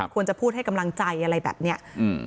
ควรจะพูดให้กำลังใจอะไรแบบเนี้ยอืม